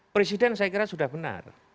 presiden saya kira sudah benar